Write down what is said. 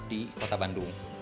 supaya mampu untuk nginep